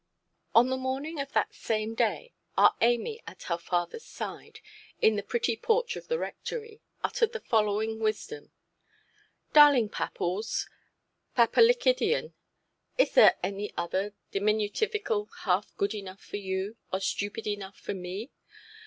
On the morning of that same day, our Amy at her fatherʼs side, in the pretty porch of the Rectory, uttered the following wisdom: "Darling Papples, Papelikidion—is there any other diminutivicle half good enough for you, or stupid enough for me?